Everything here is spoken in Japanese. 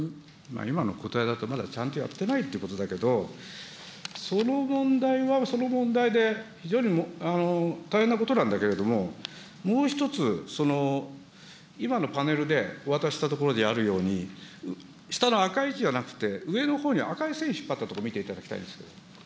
今のお答えだと、まだちゃんとやってないってことだけど、その問題はその問題で、非常に大変なことなんだけども、もう１つ、今のパネルで、お渡ししたところであるように、下の赤い字じゃなくて、上のほうに赤い線引っ張ったとこ見ていただきたいんですよ。